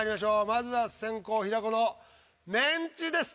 まずは先攻・平子の「メンチ」です。